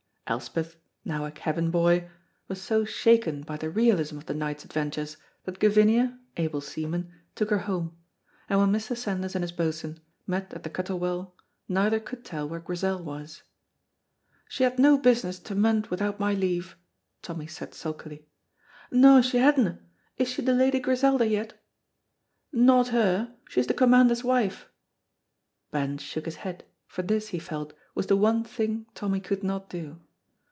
Elspeth, now a cabin boy, was so shaken by the realism of the night's adventures that Gavinia (able seaman) took her home, and when Mr. Sandys and his Boatswain met at the Cuttle Well neither could tell where Grizel was. "She had no business to munt without my leave," Tommy said sulkily. "No, she hadna. Is she the Lady Griselda yet?" "Not her, she's the Commander's wife." Ben shook his head, for this, he felt, was the one thing Tommy could not do.